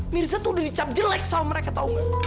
mirza tuh udah dicap jelek sama mereka tau nggak